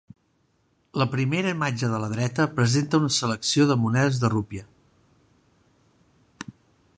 La primera imatge de la dreta presenta una selecció de monedes de rupia.